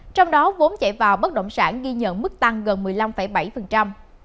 trong đó vốn chạy vào bất động sản ghi nhận mức tăng gần một mươi năm bảy